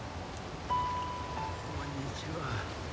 こんにちは。